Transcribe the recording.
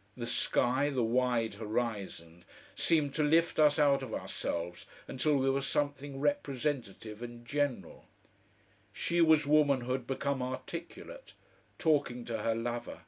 .. The sky, the wide horizon, seemed to lift us out of ourselves until we were something representative and general. She was womanhood become articulate, talking to her lover.